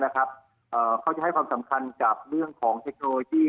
เขาจะให้ความสำคัญกับเรื่องของเทคโนโลยี